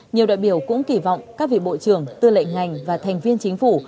nhiều đại biểu cũng kỳ vọng các vị bộ trưởng tư lệnh ngành và thành viên chính phủ